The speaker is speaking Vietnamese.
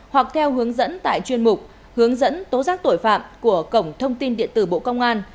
hoặc theo hướng dẫn tại chuyên mục hướng dẫn tố giác tội phạm của cổng thông tin điện tử bộ công an